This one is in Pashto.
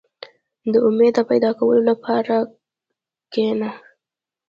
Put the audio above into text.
• د امید د پیدا کولو لپاره کښېنه.